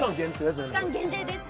全部期間限定です